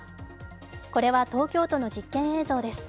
これは東京都の実験映像です。